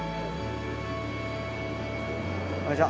こんにちは。